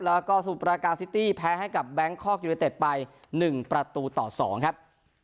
แล้วก็สมุทรปราการซิตี้แพ้ให้กับแบงคอกยูเนเต็ดไป๑ประตูต่อ๒ครับ